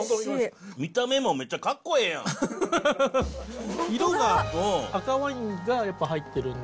見た目もめっちゃかっこええやん。